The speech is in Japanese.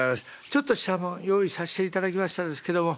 「ちょっとしたもの用意さしていただきましたですけども」。